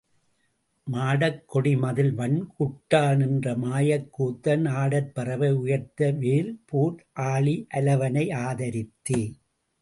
மாடக் கொடி மதிள் வண்குட்டால் நின்ற மாயக் கூத்தன் ஆடற்பறவை உயர்த்த வெல் போர் ஆழி அலவனை ஆதரித்தே.